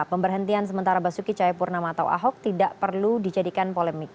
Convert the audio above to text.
pemberhentian sementara basuki cahayapurnama atau ahok tidak perlu dijadikan polemik